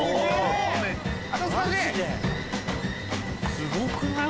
すごくない？